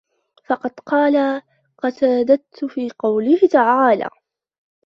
فَقَدْ قَالَ قَتَادَةُ فِي قَوْله تَعَالَى